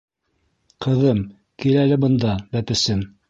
Ҡыҙым, кил әле бында, бәпесем!